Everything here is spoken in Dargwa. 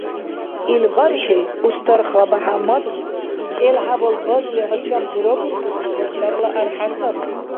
Ил бархӀи Устарха БяхӀяммадла кӀел-хӀябал базли гьачам дурабуркӀуси вачарла архӀя сабри.